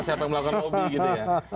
siapa yang melakukan hobi gitu ya